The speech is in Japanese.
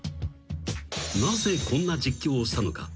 ［なぜこんな実況をしたのか？］